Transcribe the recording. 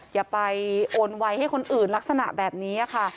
อย่าไปโอนไวให้คนอื่นลักษณะแบบนี้ค่ะ